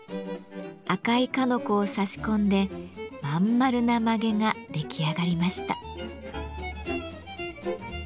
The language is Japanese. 赤い鹿の子を差し込んで真ん丸な髷が出来上がりました。